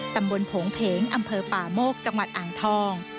โผงเพงอำเภอป่าโมกจังหวัดอ่างทอง